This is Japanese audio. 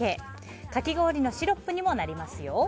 かき氷のシロップにもなりますよ。